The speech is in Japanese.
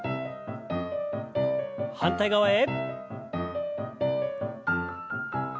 反対側へ。